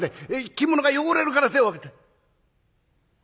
着物が汚れるから手を上げて。